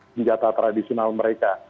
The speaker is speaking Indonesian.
senjata tradisional mereka